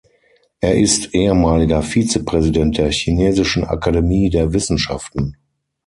Er ist ehemaliger Vizepräsident der Chinesischen Akademie der Wissenschaften.